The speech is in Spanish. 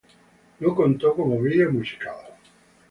No contó como video musical.